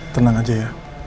tenang aja ya